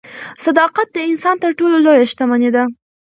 صداقت د انسان تر ټولو لویه شتمني ده.